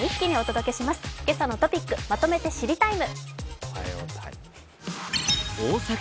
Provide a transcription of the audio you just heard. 「けさのトピックまとめて知りＴＩＭＥ，」。